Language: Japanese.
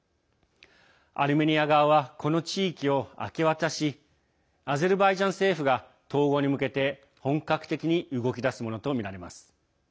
アルメニア側はこの地域を明け渡しアゼルバイジャン政府が統合に向けて本格的に動き出すものとみられます。